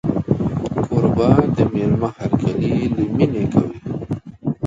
کوربه د مېلمه هرکلی له مینې کوي.